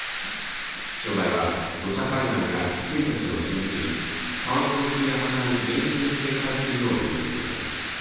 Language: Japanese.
気象台は土砂災害や低い土地の浸水川の増水や氾濫に厳重に警戒するよう呼びかけています。